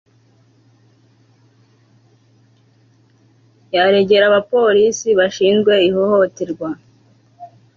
yaregera abapolisi bashinzwe ihohoterwa